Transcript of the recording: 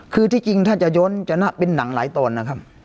คือที่จริงถ้าจะย้นจะเป็นหนังหลายตอนนะครับ